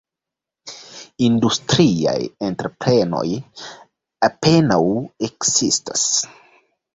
Industriaj entreprenoj apenaŭ ekzistas.